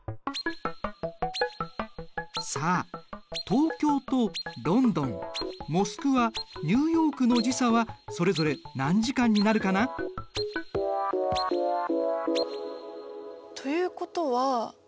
さあ東京とロンドンモスクワニューヨークの時差はそれぞれ何時間になるかな？ということはえっと